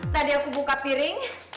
tadi aku buka piring